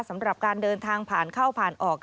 สำหรับการเดินทางผ่านเข้าผ่านออก